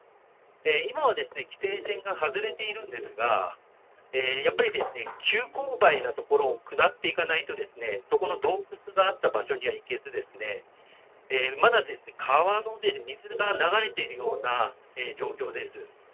今は規制線が外れているんですがやっぱり、急勾配な所を下っていかないとそこの洞窟があった場所には行けずまだ川の水が流れているような状況です。